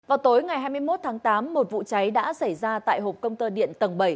vào tối ngày hai mươi một tháng tám một vụ cháy đã xảy ra tại hộp công tơ điện tầng bảy